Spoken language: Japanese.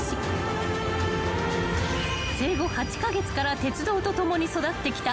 ［生後８カ月から鉄道と共に育ってきた］